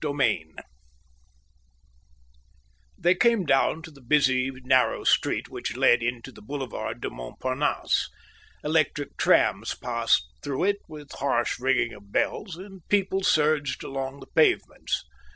Chapter IV They came down to the busy, narrow street which led into the Boulevard du Montparnasse. Electric trams passed through it with harsh ringing of bells, and people surged along the pavements.